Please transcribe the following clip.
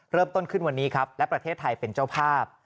เริ่มต้นขึ้นวันนี้ครับและประเทศไทยเป็นเจ้าภาพ